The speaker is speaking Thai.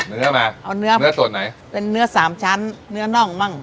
เนื้อมาเอาเนื้อมาเนื้อส่วนไหนเป็นเนื้อสามชั้นเนื้อน่องมั่ง